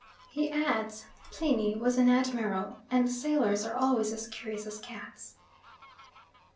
He adds Pliny was an admiral and sailors are always as curious as cats.